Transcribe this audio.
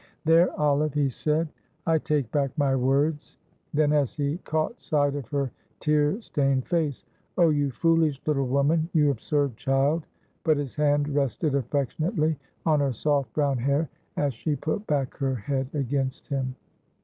"There, Olive," he said, "I take back my words;" then, as he caught sight of her tear stained face: "Oh, you foolish little woman, you absurd child," but his hand rested affectionately on her soft, brown hair, as she put back her head against him.